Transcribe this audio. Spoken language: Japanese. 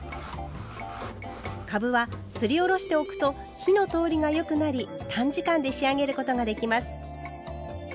かぶはすりおろしておくと火の通りがよくなり短時間で仕上げることができます。